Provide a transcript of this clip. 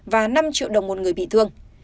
và năm triệu đồng một người bị thương